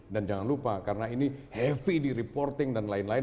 dan jangan lupa karena ini heavy di reporting dan lain lain